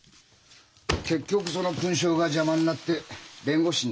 結局その勲章が邪魔になって弁護士になった。